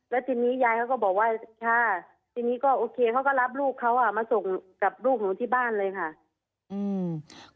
แล้วทีนี้ยายเขาก็บอกว่าค่ะทีนี้ก็โอเคเขาก็รับลูกเขาอ่ะมาส่งกับลูกหนูที่บ้านเลยค่ะอืม